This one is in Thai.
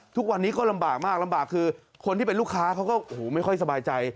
ทุกวันนี้ก็ลำบากมากลำบากคือคนที่เป็นลูกค้าเขาก็โอ้โหไม่ค่อยสบายใจ